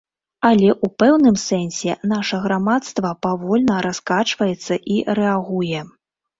Але, у пэўным сэнсе, наша грамадства павольна раскачваецца і рэагуе.